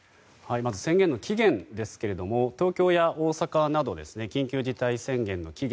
宣言の期限ですが東京や大阪など緊急事態宣言の期限。